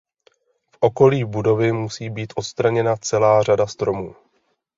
V okolí budovy musí být odstraněna celá řada stromů.